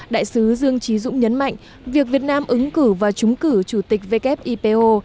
đại sứ dương trí dũng nhấn mạnh việc việt nam ứng cử và trúng cử chủ tịch wipo